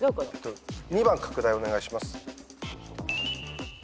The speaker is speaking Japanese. ２番拡大お願いします。